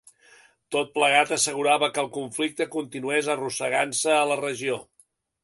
Tot plegat assegurava que el conflicte continués arrossegant-se a la regió.